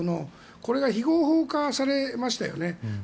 これが非合法化されましたよね。